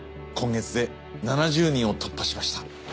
今月で７０人を突破しました。